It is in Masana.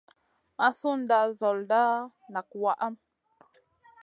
Ma sud nda nzolda nak waʼha.